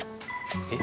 えっ？